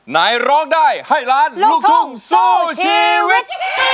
ในร้องได้ให้ล้านลูกทุ่งสู้ชีวิต